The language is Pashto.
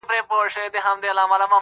ځکه نه خېژي په تله برابر د جهان یاره,